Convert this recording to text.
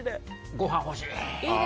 ご飯、欲しい！